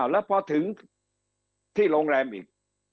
แล้วพอถึงที่โรงแรมอีก